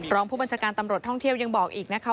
รองผู้บัญชาการตำรวจท่องเที่ยวยังบอกอีกนะคะ